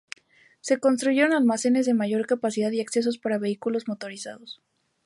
Se construyeron almacenes de mayor capacidad y accesos para vehículos motorizados.